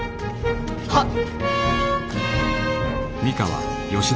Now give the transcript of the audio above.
はっ！